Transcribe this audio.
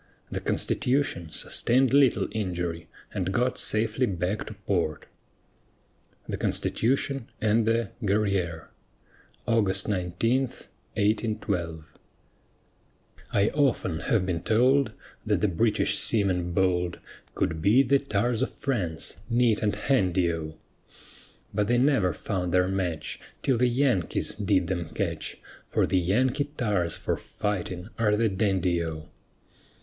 The Constitution sustained little injury and got safely back to port. THE CONSTITUTION AND THE GUERRIÈRE [August 19, 1812] I often have been told That the British seamen bold Could beat the tars of France neat and handy O; But they never found their match, Till the Yankees did them catch, For the Yankee tars for fighting are the dandy O.